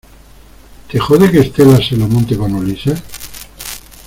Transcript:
¿ te jode que Estela se lo monte con Ulises?